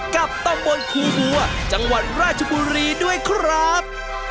กับตำบลครูบัวจังหวัดราชบุรีด้วยครับ